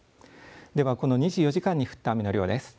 では、この２４時間に降った雨の量です。